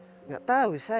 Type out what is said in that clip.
ini mas robin ya